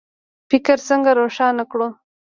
فکر څنګه روښانه کړو؟